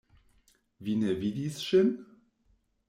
Vi ne vidis ŝin?